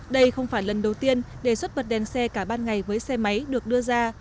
đây không phải lần đầu tiên đề xuất bật đèn xe cả ban ngày với xe máy được đưa ra